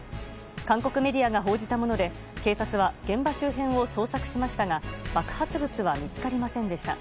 韓国メディアが報じたもので警察は現場周辺を捜索しましたが爆発物は見つかりませんでした。